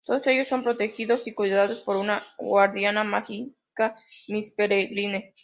Todos ellos son protegidos y cuidados por una guardiana mágica, Miss Peregrine.